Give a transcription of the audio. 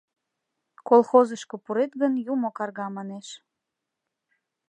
Колхозышко пурет гын, юмо карга, манеш.